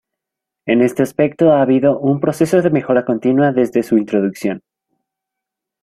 En este aspecto ha habido un proceso de mejora continua desde su introducción.